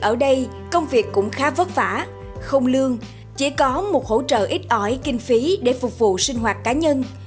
ở đây công việc cũng khá vất vả không lương chỉ có một hỗ trợ ít ỏi kinh phí để phục vụ sinh hoạt cá nhân